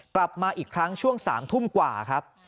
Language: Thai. กลับมาอีกครั้งช่วง๓ทุ่มกว่าครับ